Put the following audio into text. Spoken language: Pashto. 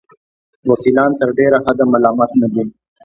وکیلان تر ډېره حده ملامت نه دي.